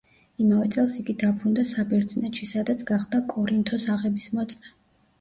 იმავე წელს იგი დაბრუნდა საბერძნეთში, სადაც გახდა კორინთოს აღების მოწმე.